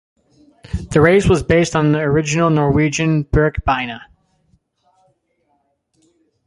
The race was based on the original Norwegian Birkebeiner.